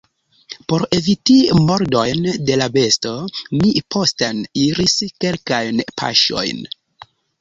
Por eviti mordojn de la besto, mi posten iris kelkajn paŝojn.